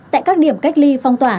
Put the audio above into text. tại các điểm cách ly phong tỏa